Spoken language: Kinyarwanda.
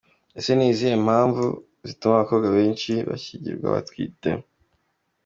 Ese ni izihe mpamvu zituma abakobwa benshi bashyingirwa batwite?.